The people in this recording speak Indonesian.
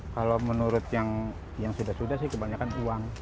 kalau menurut yang sudah sudah sih kebanyakan uang